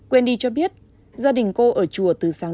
wendy cho biết gia đình cô ở chùa từ sáng